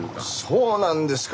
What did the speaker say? そうなんですか！